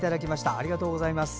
ありがとうございます。